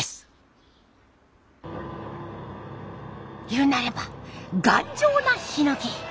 いうなれば頑丈なヒノキ。